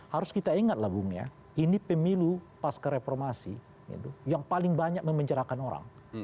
harus kita ingat lah bung ya ini pemilu pasca reformasi yang paling banyak memencerahkan orang